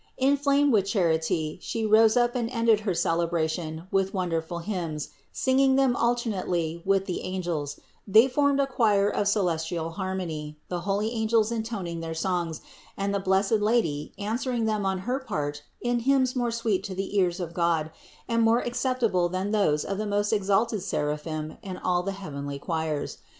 Inflamed with charity, She rose up and ended her cele bration with wonderful hymns, singing them alternately with the angels ; they formed a choir of celestial harmony, the holy angels intoning their songs, and the blessed Lady answering them on her part in hymns more sweet to the ears of God, and more acceptable than those of the most exalted seraphim and all the heavenly choirs.